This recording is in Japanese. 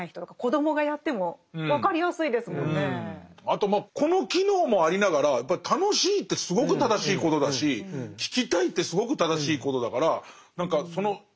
あとまあこの機能もありながらやっぱり楽しいってすごく正しいことだし聞きたいってすごく正しいことだから何かその全部入りの感じがします。